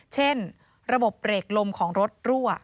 เช่นระบบเบรกลมของรถรั่ว